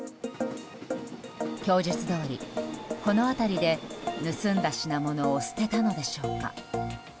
供述どおり、この辺りで盗んだ品物を捨てたのでしょうか。